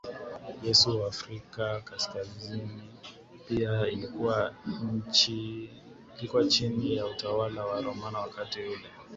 Yesu Afrika Kaskazini pia ilikuwa chini ya utawala wa Roma Wakati ule